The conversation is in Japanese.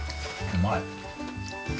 うまい。